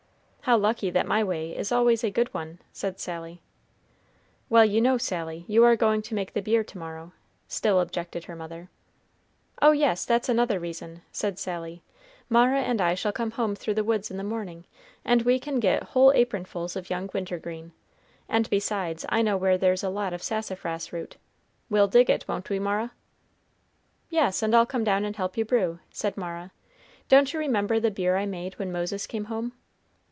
"How lucky that my way is always a good one!" said Sally. "Well, you know, Sally, you are going to make the beer to morrow," still objected her mother. "Oh, yes; that's another reason," said Sally. "Mara and I shall come home through the woods in the morning, and we can get whole apronfuls of young wintergreen, and besides, I know where there's a lot of sassafras root. We'll dig it, won't we, Mara?" "Yes; and I'll come down and help you brew," said Mara. "Don't you remember the beer I made when Moses came home?"